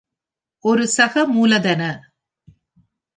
ஒரு சக மூலதன !